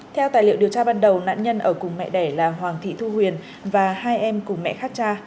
theo tài liệu điều tra ban đầu nạn nhân ở cùng mẹ đẻ là hoàng thị thu huyền và hai em cùng mẹ khác cha